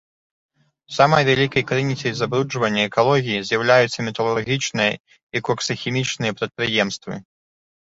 Самай вялікай крыніцай забруджвання экалогіі з'яўляюцца металургічныя і коксахімічныя прадпрыемствы.